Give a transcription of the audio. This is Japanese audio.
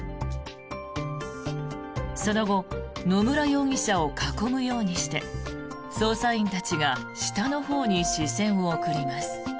その後野村容疑者を囲むようにして捜査員たちが下のほうに視線を送ります。